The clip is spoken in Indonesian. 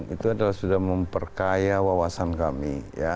itu adalah sudah memperkaya wawasan kami